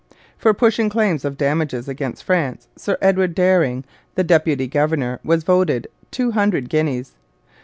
For pushing claims of damages against France, Sir Edward Dering, the deputy governor, was voted two hundred guineas.